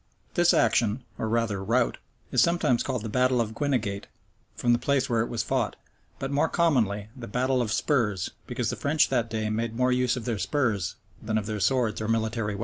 [] This action, or rather rout, is sometimes called the battle of Guinegate, from the place where it was fought; but more commonly the "battle of spurs," because the French that day made more use of their spurs than of their swords or military weapons.